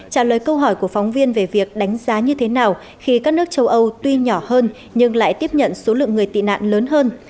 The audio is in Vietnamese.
trả lời câu hỏi của phóng viên về việc đánh giá như thế nào khi các nước châu âu tuy nhỏ hơn nhưng lại tiếp nhận số lượng người tị nạn lớn hơn